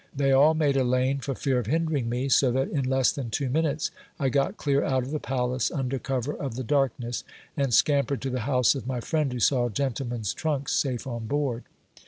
" They all made a lane, for fear of hindering me ; so that in less than two minutes I got clear out of the palace, under cover of the darkness, and scampered to the house of my friend who saw gentlemen's trunks safe on board.